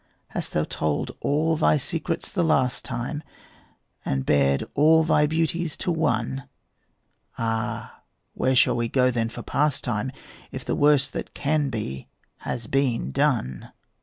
Hast thou told all thy secrets the last time, And bared all thy beauties to one? Ah, where shall we go then for pastime, If the worst that can be has been done?